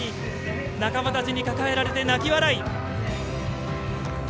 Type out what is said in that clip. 仲間たちに抱えられて泣き笑い！